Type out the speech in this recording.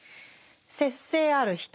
節制ある人